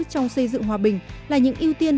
trong xây dựng hòa bình là những ưu tiên